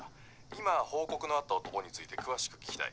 今報告のあった男について詳しく聞きたい。